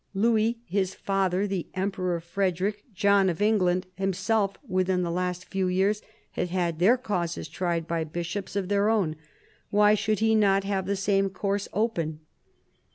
Louis his father, the Emperor Frederic, John of England himself within the last few years, had had their causes tried by bishops of their own. Why should he not have the same course open?